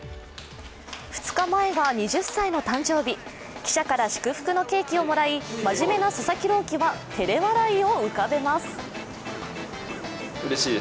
２日前が２０歳の誕生日記者から祝福のケーキをもらい、真面目な佐々木朗希は照れ笑いを浮かべます。